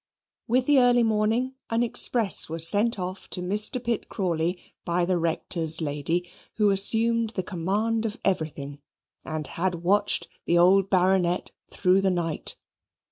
With the early morning an express was sent off to Mr. Pitt Crawley by the Rector's lady, who assumed the command of everything, and had watched the old Baronet through the night.